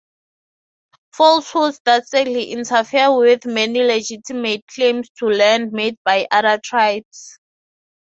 Falsehoods that sadly interfere with many legitimate claims to land made by other tribes.